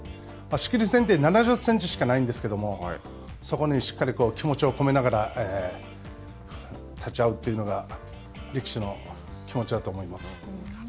仕切り線って７０センチしかないんですけど、そこにしっかり気持ちを込めながら立ち合うというのが力士の気持ちだと思います。